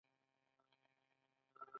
هند او افغانستان کلتوري اړیکې لري.